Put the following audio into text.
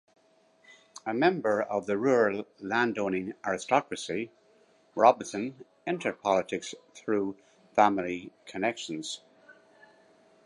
A member of the rural landowning aristocracy, Robinson entered politics through family connections.